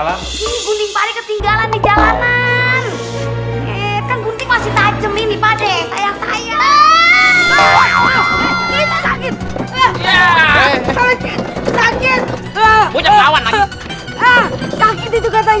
lagi mah jangan takut